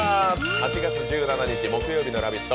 ８月１７日木曜日の「ラヴィット！」